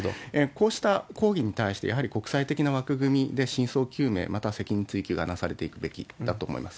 こうした抗議について、やはり国際的な枠組みで真相究明、また責任追及がなされていくべきだと思います。